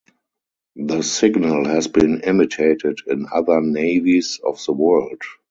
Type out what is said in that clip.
The signal has been imitated in other navies of the world.